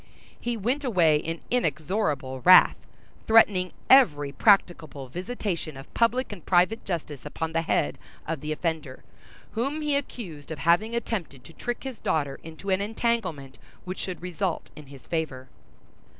He went away in inexorable wrath; threatening every practicable visitation of public and private justice upon the head of the offender, whom he accused of having attempted to trick his daughter into an entanglement which should result in his favor.